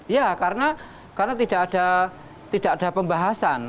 ya karena tidak ada pembahasan